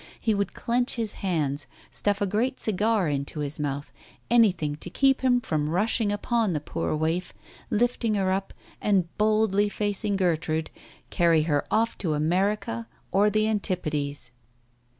He would clench his hands, stuff a great cigar into his mouth, any thing to keep him from rushing upon the poor waif, lifting her up, and boldly facing Gertrude, carry her off to America or the Antipodes.